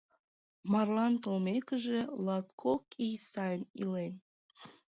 Марлан толмекыже, латкок ий сайын илен.